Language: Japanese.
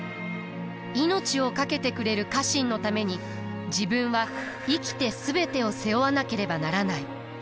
命を懸けてくれる家臣のために自分は生きて全てを背負わなければならない。